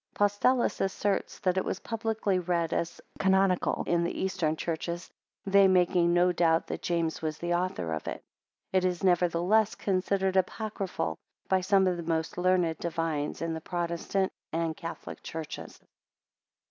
Postellus asserts that it was publicly read as canonical in the eastern churches they making no doubt that James was the author, of it. It is, nevertheless considered apocryphal by some of the most learned divines in the Protestant and Catholic churches.